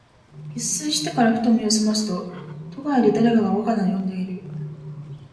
一睡してから、ふと眼めを覚ますと、戸外で誰かが我が名を呼んでいる。